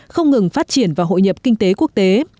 không ngừng phát triển và hội nhập kinh tế quốc tế